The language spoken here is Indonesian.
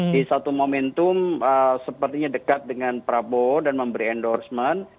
di satu momentum sepertinya dekat dengan prabowo dan memberi endorsement